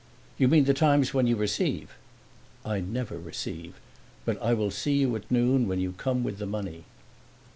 "You mean the times when you receive?" "I never receive. But I will see you at noon, when you come with the money."